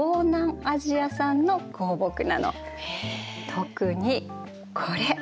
特にこれ。